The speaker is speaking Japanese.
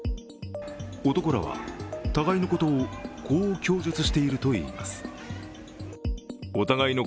男らは互いのことをこう供述しているといいます。